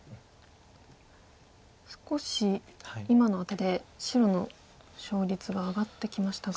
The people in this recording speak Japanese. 少し今のアテで白の勝率が上がってきましたが。